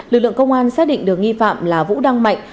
lực lượng công an xác định được nghi phạm là vũ đăng mạnh